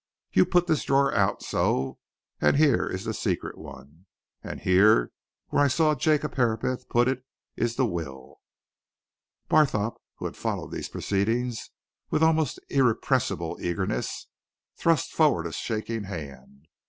You put this drawer out so and here is the secret one. And here where I saw Jacob Herapath put it is the will." Barthorpe, who had followed these proceedings with almost irrepressible eagerness, thrust forward a shaking hand.